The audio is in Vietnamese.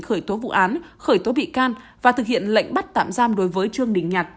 khởi tố vụ án khởi tố bị can và thực hiện lệnh bắt tạm giam đối với trương đình nhạt